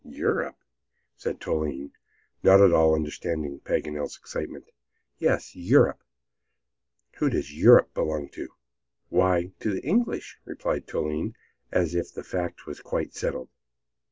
"Europe?" said Toline not at all understanding Paganel's excitement. "Yes, Europe! Who does Europe belong to?" "Why, to the English," replied Toline, as if the fact was quite settled.